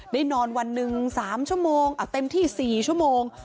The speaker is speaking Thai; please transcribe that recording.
นอนวันหนึ่ง๓ชั่วโมงเต็มที่๔ชั่วโมง